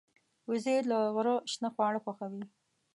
وزې د غره شنه خواړه خوښوي